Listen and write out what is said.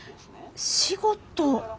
仕事？